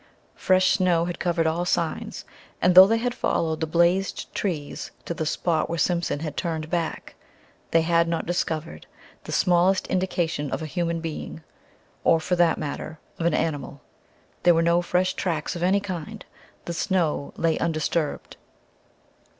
Fresh snow had covered all signs, and though they had followed the blazed trees to the spot where Simpson had turned back, they had not discovered the smallest indication of a human being or for that matter, of an animal. There were no fresh tracks of any kind; the snow lay undisturbed.